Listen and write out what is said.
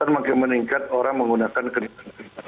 makin meningkat orang menggunakan kereta kereta di keras